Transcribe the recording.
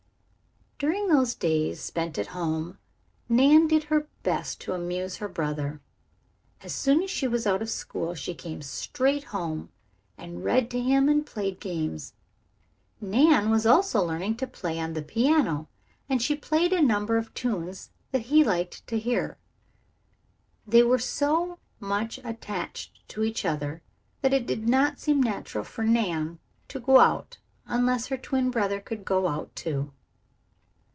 During those days spent at home, Nan did her best to amuse her brother. As soon as she was out of school she came straight home, and read to him and played games. Nan was also learning to play on the piano and she played a number of tunes that he liked to hear. They were so much attached to each other that it did not seem natural for Nan to go out unless her twin brother could go out too.